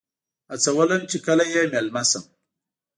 هڅولم چې کله یې میلمه شم.